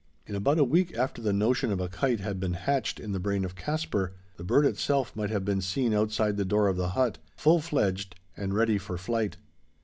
In about a week after the notion of a kite had been "hatched" in the brain of Caspar, the bird itself might have been seen outside the door of the hut full fledged and ready for flight!